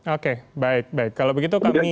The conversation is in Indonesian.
oke baik baik kalau begitu kami